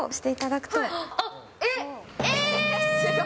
えっ？